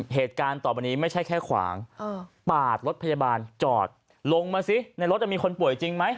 เหตุการณ์ต่อไปนี้ไม่ใช่แค่ขวางปาดรถพยาบาลจอดลงมาสิในรถมีคนป่วยจริงไหม